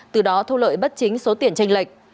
từ đó thu lợi bất chính số tiền tranh lệch